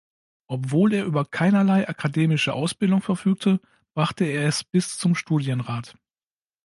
Obwohl er über keinerlei akademische Ausbildung verfügte, brachte er es bis zum Studienrat.